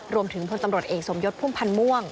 รวมถึงผลสำรวจเอกสมยศพุ่มพันธ์ม่วง